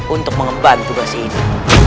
untuk mengemban tugas ini